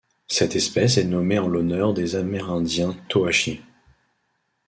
Cette espèce est nommée en l'honneur des amérindiens Toachi.